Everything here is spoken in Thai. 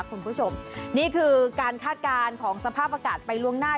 คุณผู้ชมนี่คือการคาดการณ์ของสภาพอากาศไปล่วงหน้า